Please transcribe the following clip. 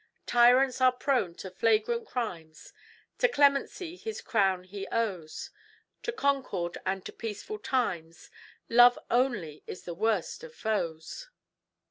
TYRANTS ARE PRONE TO FLAGRANT CRIMES. TO CLEMENCY HIS CROWN HE OWES. TO CONCORD AND TO PEACEFUL TIMES. LOVE ONLY IS THE WORST OF FOES.